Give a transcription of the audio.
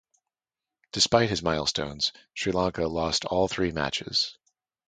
Despite his milestones, Sri Lanka lost all three matches.